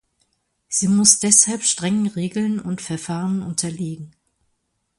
Sie muss deshalb strengen Regeln und Verfahren unterliegen.